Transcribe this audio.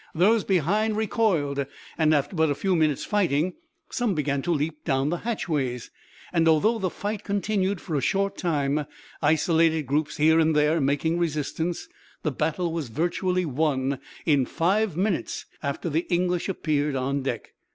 Those behind recoiled, and after but a few minutes' fighting, some began to leap down the hatchways; and although the fight continued for a short time, isolated groups here and there making resistance, the battle was virtually won in five minutes after the English appeared on deck.